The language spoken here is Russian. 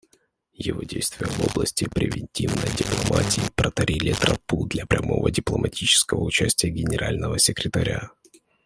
Его действия в области превентивной дипломатии проторили тропу для прямого дипломатического участия Генерального секретаря.